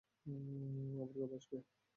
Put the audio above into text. আবার কবে আসবে?